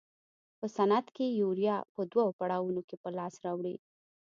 په صنعت کې یوریا په دوو پړاوونو کې په لاس راوړي.